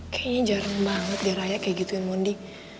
kayaknya jarang banget deh raya kayak gituin mondi